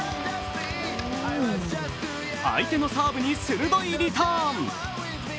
相手のサーブに鋭いリターン。